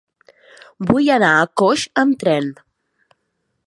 Vull anar a Coix amb tren.